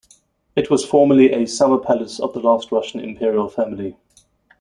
It was formerly a summer palace of the last Russian Imperial family.